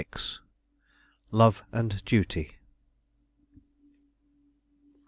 LOVE AND DUTY.